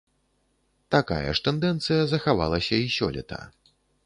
Такая ж тэндэнцыя захавалася і сёлета.